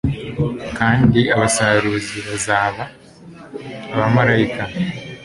Kandi abasaruzi bazaba abamarayika